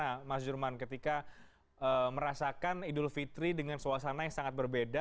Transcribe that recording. bagaimana mas jerman ketika merasakan idul fitri dengan suasana yang sangat berbeda